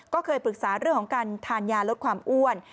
ก็เคยปรึกษาเรื่องของการทานยาลดความอ้วน